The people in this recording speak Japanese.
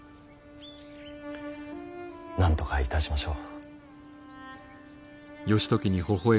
なんとかいたしましょう。